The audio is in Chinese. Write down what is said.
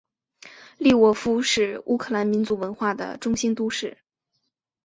利沃夫是乌克兰民族文化的中心都市。